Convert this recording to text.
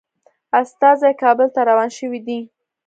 استازي کابل ته روان شوي دي.